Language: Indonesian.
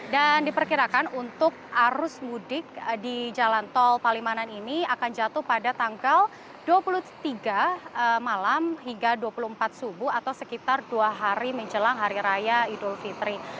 dan diperkirakan untuk arus mudik di jalan tol palimanan ini akan jatuh pada tanggal dua puluh tiga malam hingga dua puluh empat subuh atau sekitar dua hari menjelang hari raya idul fitri